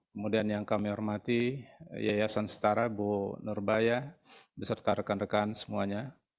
kemudian yang kami hormati yayasan setara bu nurbaya beserta rekan rekan semuanya